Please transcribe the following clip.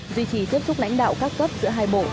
duy trì tiếp xúc lãnh đạo các cấp giữa hai bộ